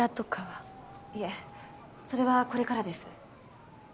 いえそれはこれからです。